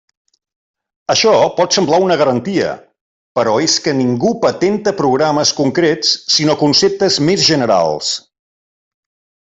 Això pot semblar una garantia, però és que ningú patenta programes concrets, sinó conceptes més generals.